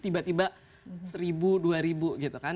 tiba tiba seribu dua ribu gitu kan